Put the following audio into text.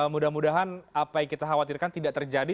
mudah mudahan apa yang kita khawatirkan tidak terjadi